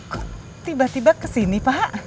kok tiba tiba kesini pak